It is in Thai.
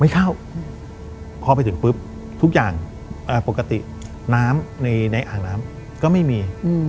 เข้าพอไปถึงปุ๊บทุกอย่างปกติน้ำในอ่างน้ำก็ไม่มี